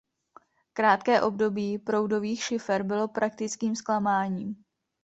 Krátké období proudových šifer bylo praktickým zklamáním.